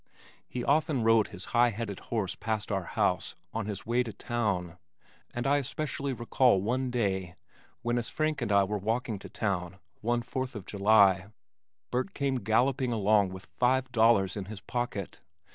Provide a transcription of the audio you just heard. He often rode his high headed horse past our house on his way to town, and I especially recall one day, when as Frank and I were walking to town (one fourth of July) Burt came galloping along with five dollars in his pocket.